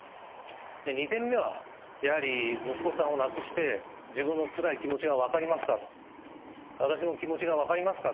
２点目は、やはり息子さんを亡くして、自分のつらい気持ちが分かりますかと、私の気持ちが分かりますか？